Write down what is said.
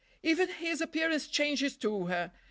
"Even his appearance changes to her.